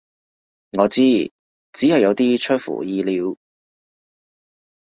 我知，只係有啲出乎意料